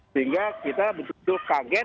sehingga kita betul betul kaget